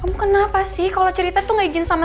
kamu kenapa sih kalau cerita tuh gak izin sama